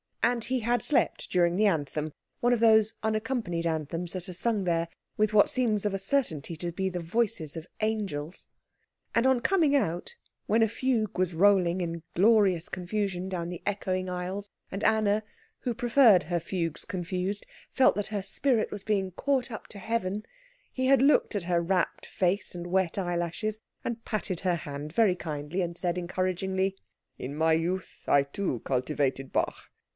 And he had slept during the anthem, one of those unaccompanied anthems that are sung there with what seem of a certainty to be the voices of angels. And on coming out, when a fugue was rolling in glorious confusion down the echoing aisles, and Anna, who preferred her fugues confused, felt that her spirit was being caught up to heaven, he had looked at her rapt face and wet eyelashes, and patted her hand very kindly, and said encouragingly, "In my youth I too cultivated Bach.